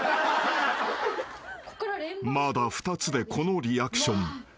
［まだ２つでこのリアクション］